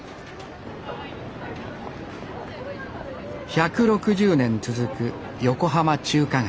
１６０年続く横浜中華街。